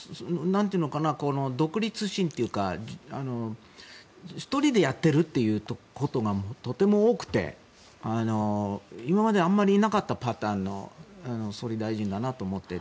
独立心というか１人でやっていることがとても多くて今まであんまりいなかったパターンの総理大臣だなと思って。